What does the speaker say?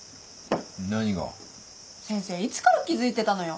先生いつから気付いてたのよ